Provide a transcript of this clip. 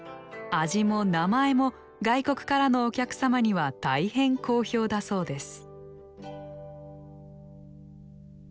味も名前も外国からのお客様には大変好評だそうです